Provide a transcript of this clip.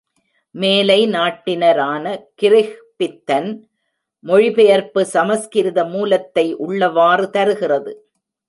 மேலை நாட்டினரான கிரிஃபித்தின் மொழிபெயர்ப்பு சமஸ்கிருத மூலத்தை உள்ளவாறு தருகிறது.